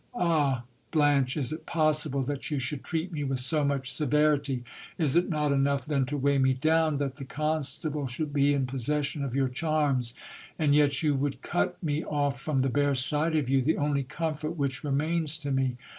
Ah ! Blanche, is it possible that you should treat ! with so much severity ? Is it not enough then to weigh me down, that the con stable should be in possession of your charms ? And yet you would cut me off from the bare sight of you, the only comfort which remains to me